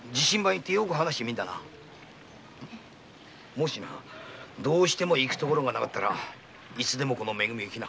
もしどうしても行く所がなかったらいつでもこの「め組」へ来な。